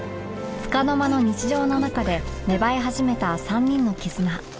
つかの間の日常の中で芽生え始めた３人の絆